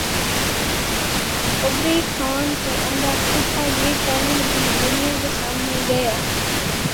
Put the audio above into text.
کبری خان کے اندر چھپا یہ ٹیلنٹ بھی دنیا کے سامنے گیا